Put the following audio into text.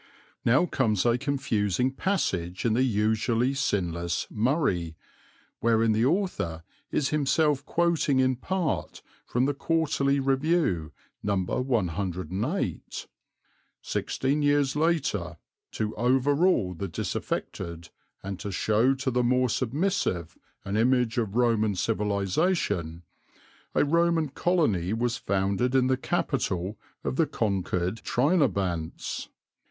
Now comes a confusing passage in the usually sinless "Murray," wherein the author is himself quoting in part from the Quarterly Review, No. 108: "Sixteen years later, 'to overawe the disaffected, and to show to the more submissive an image of Roman civilization,' a Roman Colony was founded in the capital of the conquered Trinobantes.